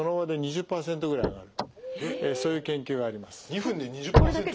２分で２０％！？